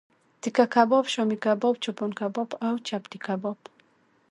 تیکه کباب، شامی کباب، چوپان کباب او چپلی کباب